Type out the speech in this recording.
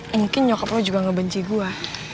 mungkin nyokap lo juga gak benci gue